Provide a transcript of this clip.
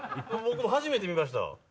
僕も初めて見ました。